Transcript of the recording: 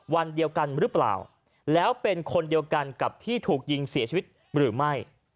วันเดียวกันหรือเปล่าแล้วเป็นคนเดียวกันกับที่ถูกยิงเสียชีวิตหรือไม่